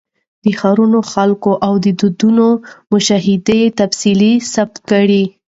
د ښارونو، خلکو او دودونو مشاهده یې تفصیلي ثبت کړې.